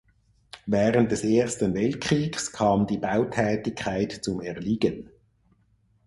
Während des Ersten Weltkriegs kam die Bautätigkeit zum Erliegen.